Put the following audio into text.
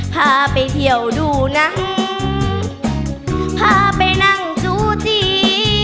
พาไปเที่ยวดูนะพาไปนั่งจูจี